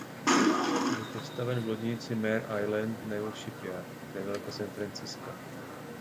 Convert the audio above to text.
Byl postaven v loděnici Mare Island Naval Shipyard nedaleko San Francisca.